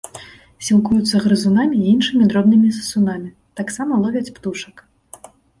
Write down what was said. Сілкуюцца грызунамі і іншымі дробнымі сысунамі, таксама ловяць птушак.